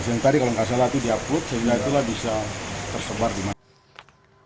yang tadi kalau nggak salah itu di upload sehingga itulah bisa tersebar di masyarakat